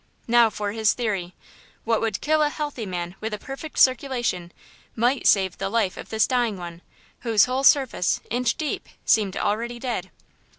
Now for his theory! What would kill a healthy man with a perfect circulation might save the life of this dying one, whose whole surface, inch deep, seemed already dead.